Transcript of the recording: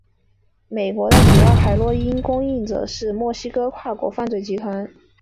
美国的主要海洛因供应者是墨西哥跨国犯罪集团。